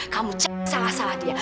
kamu salah salah dia